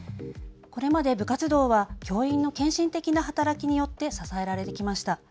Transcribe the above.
これまで部活動は教員の献身的な働きによって支えられてきました。